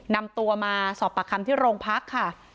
นำตัวมาสอบปากคำที่โรงพักค่ะ